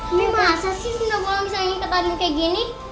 ini masa sih sundel bolong bisa nyangin ke tadi kayak gini